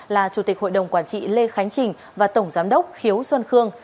là chủ tịch hội đồng quản trị lê khánh trình và tổng giám đốc khiếu xuân khương